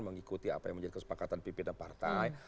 mengikuti apa yang menjadi kesepakatan pp dan partai